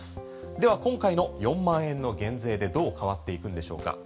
では今回の４万円の減税でどう変わっていくんでしょうか？